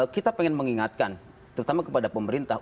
kita ingin mengingatkan terutama kepada pemerintah